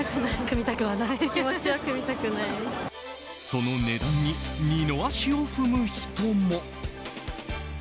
その値段に二の足を踏む人も。